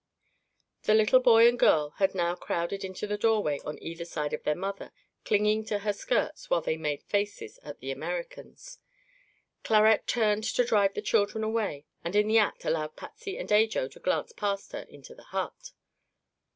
The little boy and girl had now crowded into the doorway on either side of their mother, clinging to her skirts while they "made faces" at the Americans. Clarette turned to drive the children away and in the act allowed Patsy and Ajo to glance past her into the hut.